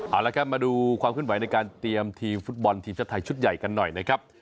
เอาละครับมาดูความขึ้นไหวในการเตรียมทีมฟุตบอลทีมชาติไทยชุดใหญ่กันหน่อยนะครับ